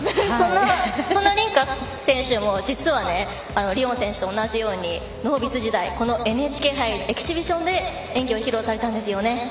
その倫果選手もりをん選手と同じようにノービス時代ＮＨＫ杯エキシビションで演技を披露されたんですよね。